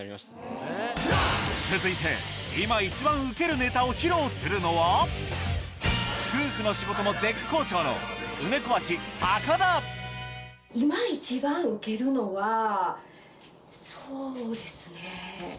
続いて今一番ウケるネタを披露するのは夫婦の仕事も絶好調の梅小鉢・高田そうですね。